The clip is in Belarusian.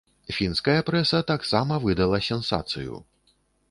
Фінская прэса таксама выдала сенсацыю.